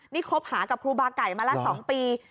นี่คบหากับครูบาไก่มาละ๒ปี